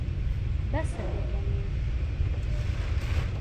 بەسە پێکەنین.